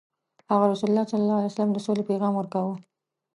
هغه ﷺ د سولې پیغام ورکاوه.